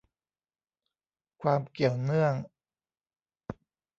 ความเกี่ยวเนื่อง